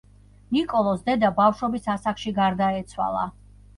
ნიკოლოზს დედა ბავშვობის ასაკში გარდაეცვალა.